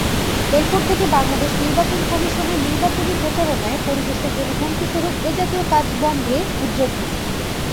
এরপর থেকে বাংলাদেশ নির্বাচন কমিশনের নির্বাচনী প্রচারণায় পরিবেশের জন্য হুমকিস্বরূপ এজাতীয় কাজ বন্ধে উদ্যোগ নেয়।